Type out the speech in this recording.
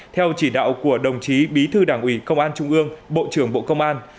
theo chỉ đạo của đồng chí bí thư đảng ủy công an trung ương bộ trưởng bộ công an